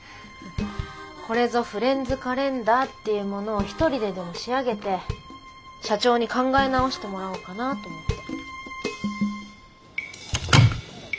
これぞフレンズカレンダーっていうものを一人ででも仕上げて社長に考え直してもらおうかなと思って。